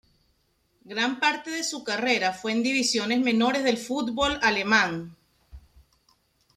Gran parte de su carrera fue en divisiones menores del fútbol alemán.